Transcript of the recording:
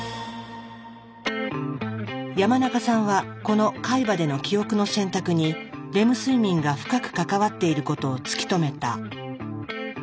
山中さんはこの海馬での記憶の選択にレム睡眠が深く関わっていることを突き止めた。